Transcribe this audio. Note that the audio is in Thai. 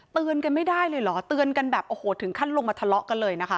เตือนกันไม่ได้เลยเหรอเตือนกันแบบโอ้โหถึงขั้นลงมาทะเลาะกันเลยนะคะ